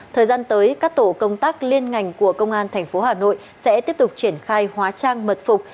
thời gian tới các tổ công tác liên ngành của công an tp hà nội sẽ tiếp tục triển khai hóa trang mật phục